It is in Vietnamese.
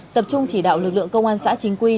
tập trung chỉ đạo lực lượng công an xã chính quy